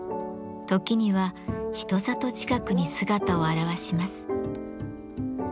時には人里近くに姿を現します。